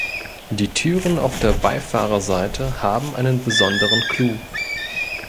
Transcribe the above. Die Türen auf der Beifahrerseite haben einen besonderen Clou.